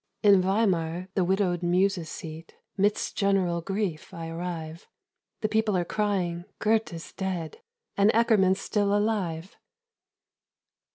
"In Weimar, the widowed muse's seat, Midst general grief I arrive. The people are crying 'Goethe's dead, And Eckermann's still alive!'"